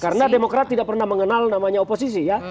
karena demokrat tidak pernah mengenal namanya oposisi ya